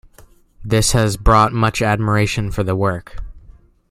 This has brought much admiration for the work.